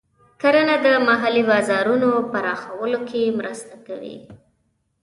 کرنه د محلي بازارونو پراخولو کې مرسته کوي.